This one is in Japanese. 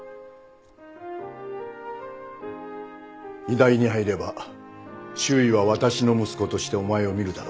医大に入れば周囲は私の息子としてお前を見るだろう